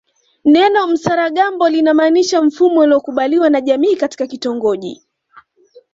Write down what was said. Neno msaragambo linamaanisha mfumo uliokubaliwa na jamii katika kitongoji